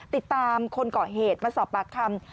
ติดตามคนก่อเหตุมาสอบปากคำ